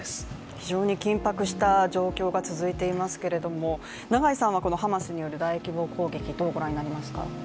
非常に緊迫した状況が続いていますけれども永井さんはこのハマスによる大規模攻撃どのように御覧になりますか？